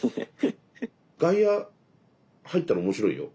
外野入ったら面白いよ。